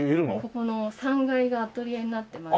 ここの３階がアトリエになってまして。